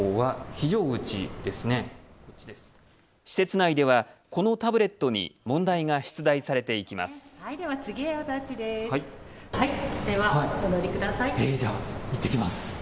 施設内ではこのタブレットに問題が出題されていきます。